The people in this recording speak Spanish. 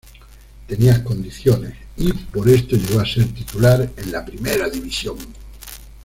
Tenía condiciones y por esto llegó a ser titular en la primera división.